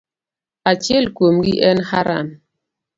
Achiel kuomgi en Haran.